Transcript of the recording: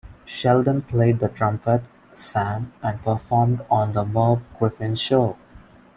Sheldon played the trumpet, sang, and performed on "The Merv Griffin Show".